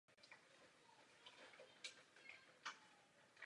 Jaké jsou důsledky?